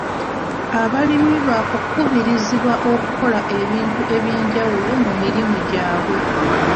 Abalimi bakubirizibwa okukola ebintu eby'enjawulo mu mirimu gyabwe.